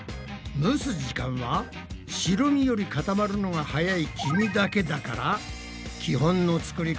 蒸す時間は白身より固まるのが早い黄身だけだから基本の作り方より短い時間でＯＫだ！